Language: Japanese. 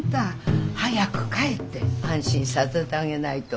早く帰って安心させてあげないと。